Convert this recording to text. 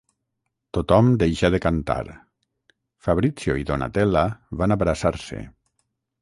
Tothom deixà de cantar; Fabrizio i Donatella van abraçar-se.